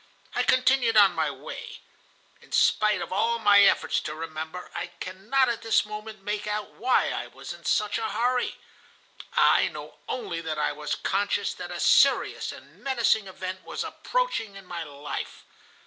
I continued on my way. In spite of all my efforts to remember, I cannot at this moment make out why I was in such a hurry. I know only that I was conscious that a serious and menacing event was approaching in my life.